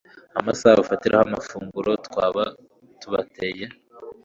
amasaha bafatiraho amafunguro twaba tubateye